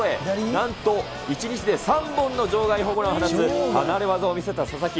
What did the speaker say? なんと１日で３本の場外ホームランを放つ離れ業を見せた佐々木。